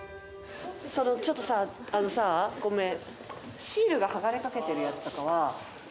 ちょっとさあのさごめん。